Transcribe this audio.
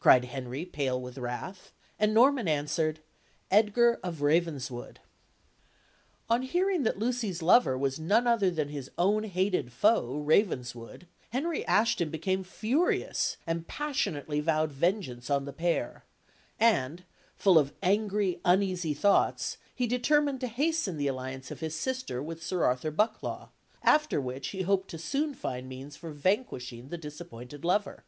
cried Henry, pale with wrath; and Norman answered: "Edgar of Ravenswood!" On hearing that Lucy's lover was none other than his own hated foe, Ravenswood, Henry Ashton became furious, and passionately vowed vengeance on the pair; and, full of angry, uneasy thoughts, he determined to hasten the alliance of his sister with Sir Arthur Bucklaw, after which he hoped to soon find means for vanquishing the disappointed lover.